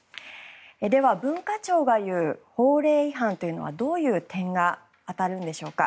では、文化庁が言う法令違反というのはどういう点が当たるんでしょうか。